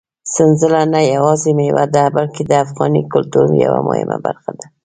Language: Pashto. سنځله نه یوازې مېوه ده، بلکې د افغاني کلتور یوه مهمه برخه ده.